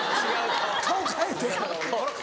顔変えて。